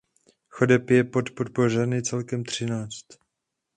Chodeb je pod Podbořany celkem třináct.